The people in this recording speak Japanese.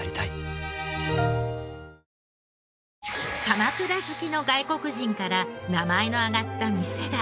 鎌倉好きの外国人から名前が挙がった店が。